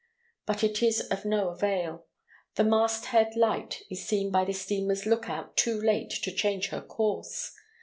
But it is of no avail. The mast head light is seen by the steamer's look out too late to change her course.